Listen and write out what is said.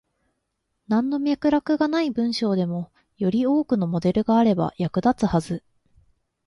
なんの脈絡がない文章でも、より多くのモデルがあれば役立つはず。